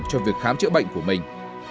cho việc khám chữa bệnh của mình